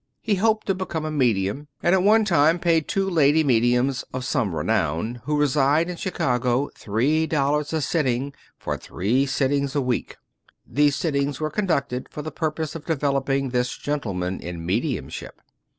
He hoped to become a medium ; and at one time paid two lady mediums of some renown, who reside in Chicago, three dollars a sitting for three sittings a week. These sittings were conducted for the purpose of developing this gentle man in mediumship.